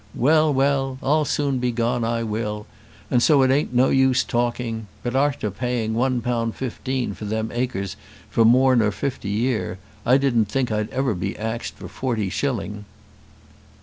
Well, well; I'll soon be gone, I will, and so it an't no use talking; but arter paying one pound fifteen for them acres for more nor fifty year, I didn't think I'd ever be axed for forty shilling."